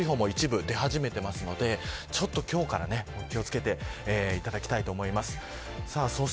乾燥注意報も一部出始めていますので今日から、お気を付けていただきたいと思います。